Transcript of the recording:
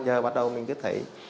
giờ bắt đầu mình cứ thấy